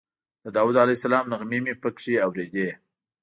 د داود علیه السلام نغمې مې په کې اورېدې.